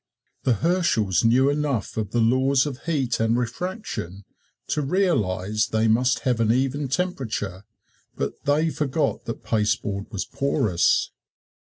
The Herschels knew enough of the laws of heat and refraction to realize they must have an even temperature, but they forgot that pasteboard was porous.